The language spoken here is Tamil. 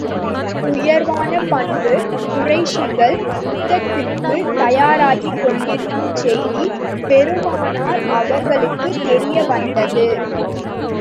உயர்வான பண்பு குறைஷிகள் யுத்தத்துக்குத் தயாராகிக் கொண்டிருக்கும் செய்தி பெருமானார் அவர்களுக்குத் தெரிய வந்தது.